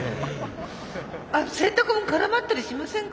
洗濯物絡まったりしませんか？